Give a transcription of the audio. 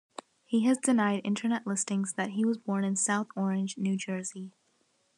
He has denied internet listings that he was born in South Orange, New Jersey.